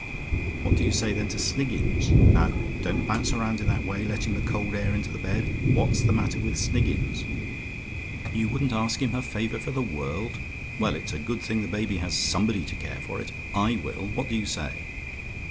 "What do you say, then, to Sniggins? Now, don't bounce round in that way, letting the cold air into the bed! What's the matter with Sniggins? "YOU WOULDN'T ASK HIM A FAVOUR FOR THE WORLD? "Well, it's a good thing the baby has somebody to care for it: I will. What do you say?